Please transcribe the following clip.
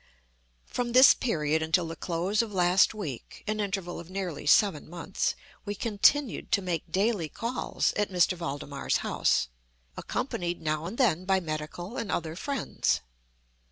From this period until the close of last week—an interval of nearly seven months—we continued to make daily calls at M. Valdemar's house, accompanied, now and then, by medical and other friends.